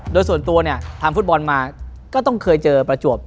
โดยส่วนตัวเนี่ยทำฟุตบอลมาก็ต้องเคยเจอประจวบ